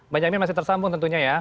bang jamin masih tersambung tentunya ya